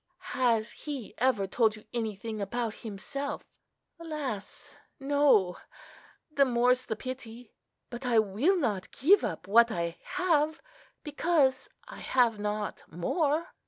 Has He ever told you anything about Himself? Alas! no!—the more's the pity! But I will not give up what I have, because I have not more.